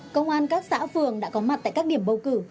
công an các xã phường đã có mặt tại các điểm bầu cử